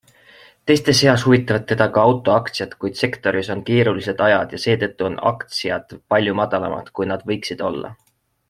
Teiste seas huvitavad teda ka autoaktsiad, kuid sektoris on keerulised ajad ja seetõttu on aktsiad palju madalamal kui nad võiksid olla.